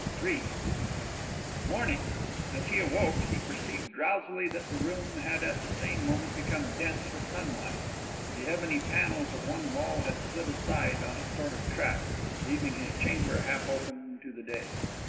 III Morning. As he awoke he perceived drowsily that the room had at the same moment become dense with sunlight. The ebony panels of one wall had slid aside on a sort of track, leaving his chamber half open to the day.